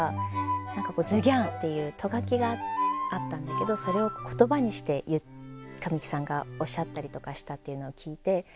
何か「！」っていうト書きがあったんだけどそれを言葉にして神木さんがおっしゃったりとかしたっていうのを聞いて。